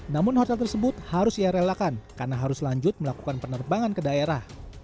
namun hotel tersebut harus ia relakan karena harus lanjut melakukan penerbangan ke daerah